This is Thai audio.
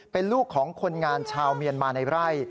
เป็นลูกของคนงานชาวเมียนมาในไร่